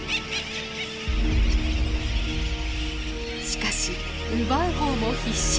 しかし奪う方も必死。